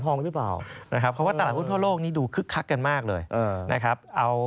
เพราะว่าตลาดหุ้นทั่วโลกนี้ดูคึกคักกันมากเลยนะครับ